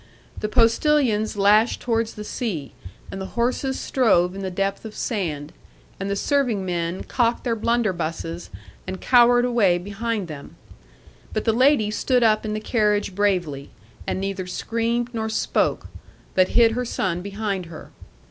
The postilions lashed towards the sea, and the horses strove in the depth of sand, and the serving men cocked their blunder busses, and cowered away behind them; but the lady stood up in the carriage bravely, and neither screamed nor spoke, but hid her son behind her.